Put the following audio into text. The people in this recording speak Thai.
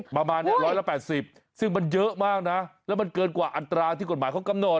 ประมาณ๑๘๐ซึ่งมันเยอะมากนะแล้วมันเกินกว่าอัตราที่กฎหมายเขากำหนด